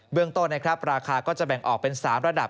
เรื่องต้นนะครับราคาก็จะแบ่งออกเป็น๓ระดับ